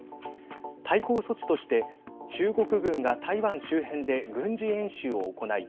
対抗措置として中国軍が台湾周辺で軍事演習を行い